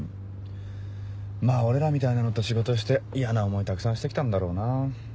まぁ俺らみたいなのと仕事して嫌な思いたくさんして来たんだろうな。